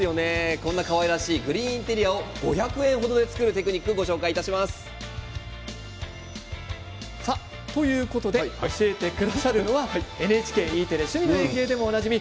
こんなかわいらしいグリーンインテリアを５００円程で作るテクニックを教えてくださるのはＮＨＫＥテレ「趣味の園芸」でおなじみ